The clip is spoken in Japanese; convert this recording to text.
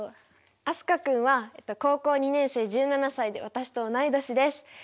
飛鳥君は高校２年生１７歳で私と同い年です。